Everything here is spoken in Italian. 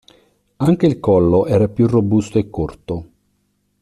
Anche il collo era più robusto e corto.